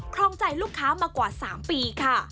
ครองใจลูกค้ามากว่า๓ปีค่ะ